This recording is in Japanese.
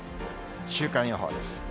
週間予報です。